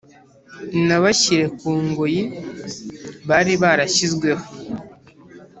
inabashyire ku ngoyi bari barashyizweho.